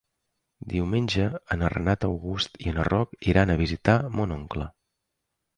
Diumenge en Renat August i en Roc iran a visitar mon oncle.